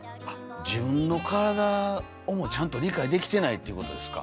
自分の体をもちゃんと理解できてないっていうことですか。